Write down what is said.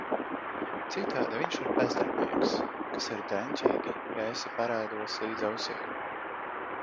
Citādi viņš ir bezdarbnieks - kas ir draņķīgi, ja esi parādos līdz ausīm…